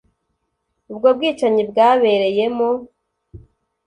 ubwo bwicanyi bwabereyemo